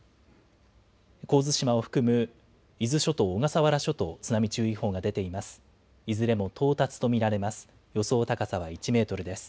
神津島を含む伊豆諸島、小笠原諸島、津波注意報が出ています。